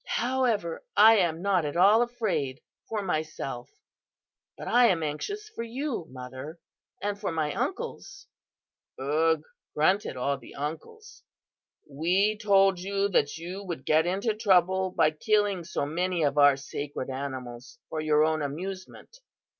"'However, I am not at all afraid for myself, but I am anxious for you, Mother, and for my uncles.' "'Ugh!' grunted all the uncles, 'we told you that you would get into trouble by killing so many of our sacred animals for your own amusement.